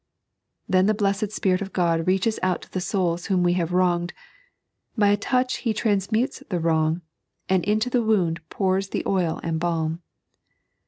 Then the bleesed Spirit of God reaches out to the souls whom we have wronged ; by a touch He transmutes the wrong, and into the wound potu^ the oil and balm.